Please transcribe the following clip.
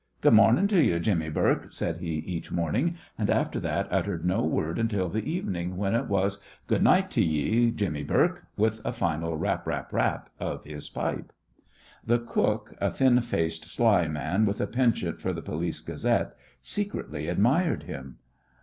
"Good mornin' to ye, Jimmy Bourke," said he each morning, and after that uttered no word until the evening, when it was, "Good night to ye, Jimmy Bourke," with a final rap, rap, rap of his pipe. The cook, a thin faced, sly man, with a penchant for the Police Gazette, secretly admired him.